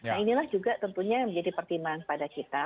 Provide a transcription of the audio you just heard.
nah inilah juga tentunya yang menjadi pertimbangan pada kita